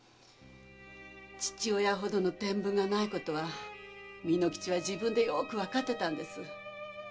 父親ほどの天分がないことは巳之吉は自分でよーくわかってたんです。